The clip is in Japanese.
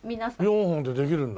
４本でできるんだ。